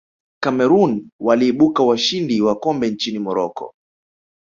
cameroon waliibuka washindi wa kombe nchini morocco